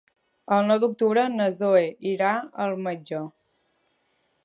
El nou d'octubre na Zoè irà al metge.